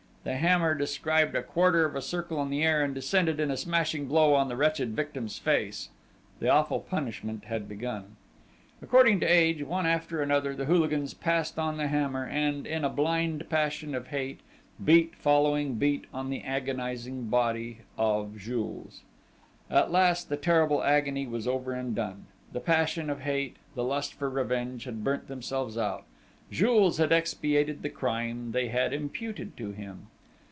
The hammer described a quarter of a circle in the air and descended in a smashing blow on the wretched victim's face! The awful punishment had begun! According to age, one after another, the hooligans passed on the hammer, and, in a blind passion of hate, beat followed beat on the agonising body of Jules! At last the terrible agony was over and done! The passion of hate, the lust for revenge had burnt themselves out. Jules had expiated the crime they had imputed to him!